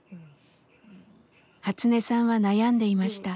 ハツネさんは悩んでいました。